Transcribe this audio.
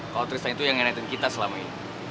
kalau tristan itu yang nighten kita selama ini